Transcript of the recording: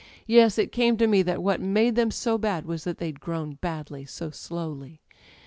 Yes â€" it came to me that what made them so bad was that they'd grown bad so slowly .